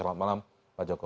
selamat malam pak joko